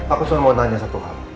aku mau nanya satu hal